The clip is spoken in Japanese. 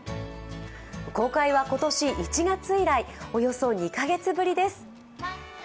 公開は今年１月以来、およそ２カ月ぶりです。